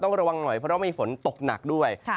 ระวังหน่อยเพราะว่ามีฝนตกหนักด้วย